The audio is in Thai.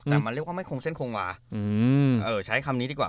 แต่มันเรียกว่าไม่คงเส้นคงวาใช้คำนี้ดีกว่า